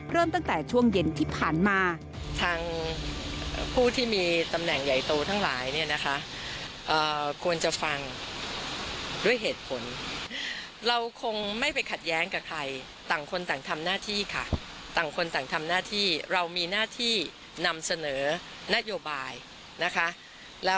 เริ่มตั้งแต่ช่วงเย็นที่ผ่านมา